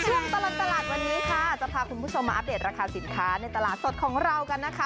ช่วงตลอดตลาดวันนี้ค่ะจะพาคุณผู้ชมมาอัปเดตราคาสินค้าในตลาดสดของเรากันนะคะ